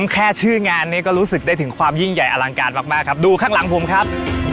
แค่ชื่องานนี้ก็รู้สึกได้ถึงความยิ่งใหญ่อลังการมากครับดูข้างหลังผมครับ